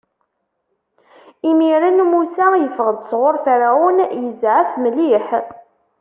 Imiren, Musa yeffeɣ-d sɣur Ferɛun, izɛef mliḥ.